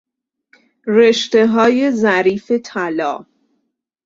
رشتههای ظریف طلا